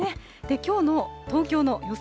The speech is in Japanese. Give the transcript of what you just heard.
きょうの東京の予想